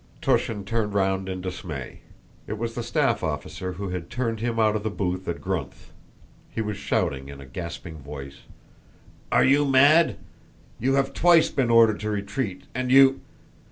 Túshin turned round in dismay. It was the staff officer who had turned him out of the booth at Grunth. He was shouting in a gasping voice: "Are you mad? You have twice been ordered to retreat, and you..."